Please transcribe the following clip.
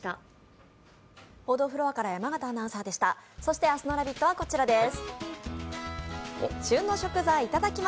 そして、明日の「ラヴィット！」はこちらです。